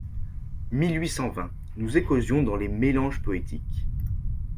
Mil huit cent vingt ! Nous éclosions Dans les mélanges poétiques .